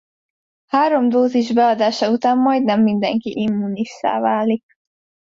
Három dózis beadása után majdnem mindenki immunissá válik.